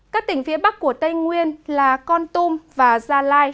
các tỉnh phía bắc của tây nguyên là con tum và gia lai